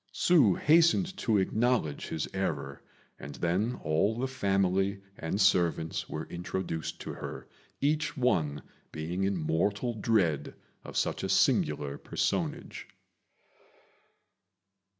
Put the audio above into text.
Hsü hastened to acknowledge his error, and then all the family and servants were introduced to her, each one being in mortal dread of such a singular personage.